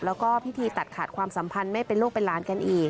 แล้วก็พิธีตัดขาดความสัมพันธ์ไม่เป็นลูกเป็นหลานกันอีก